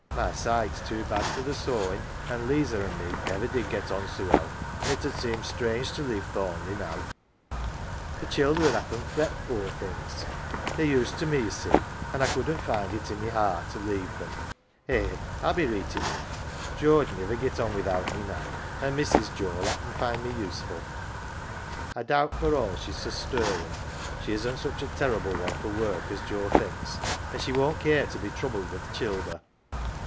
" My sight's too bad for th' sewin', an' 'Liza an' me niver did get on so well. An' it 'ud seem strange to leave Thorn leigh now. The childer 'ud happen fret, poor things* 151 AUNT JINNY They're used to me, ye see, an 1 1 couldn't find it i' my heart to leave them. Eh, I'll be reet enough. Joe 'ud niver get on without me now, an 1 Mrs. Joe'll happen find me useful. I doubt for all she's so stirrin', she isn't such a terrible one for work as Joe thinks, an 1 she won't care to be troubled \vi' th' childer."